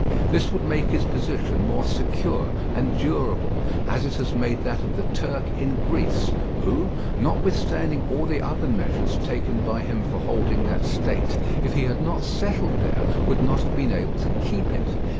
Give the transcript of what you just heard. This would make his position more secure and durable, as it has made that of the Turk in Greece, who, notwithstanding all the other measures taken by him for holding that state, if he had not settled there, would not have been able to keep it.